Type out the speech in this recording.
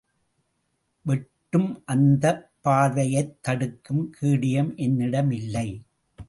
வெட்டும் அந்தப் பார்வையைத் தடுக்கும் கேடயம் என்னிடம் இல்லை.